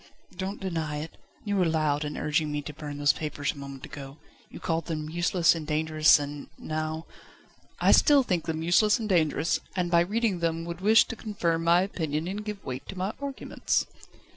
"Don't deny it. You were loud in urging me to burn those papers a moment ago. You called them useless and dangerous and now ..." "I still think them useless and dangerous, and by reading them would wish to confirm my opinion and give weight to my arguments."